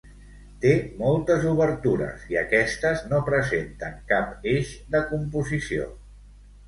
Té moltes obertures i aquestes no presenten cap eix de composició.